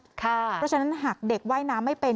เพราะฉะนั้นหากเด็กว่ายน้ำไม่เป็น